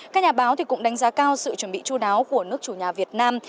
các nhà báo cũng đánh giá cao sự chuẩn bị chú đáo của nước chủ nhà việt nam